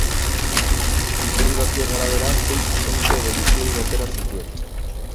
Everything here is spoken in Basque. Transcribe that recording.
Iturri batzuen arabera, sei suspenso edo gutxiegi atera zituen.